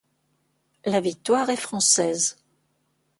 La victoire est française.